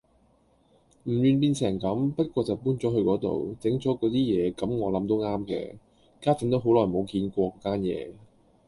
唔願變成咁，不過就搬咗去嗰度，整咗嗰啲嘢咁我諗都啱嘅，家陣都好耐冇見過嗰間野